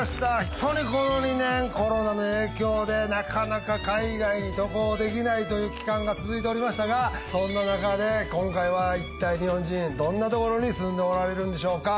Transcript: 本当にこの２年コロナの影響でなかなか海外に渡航できないという期間が続いておりましたがそんな中で今回はいったい日本人どんなところに住んでおられるんでしょうか？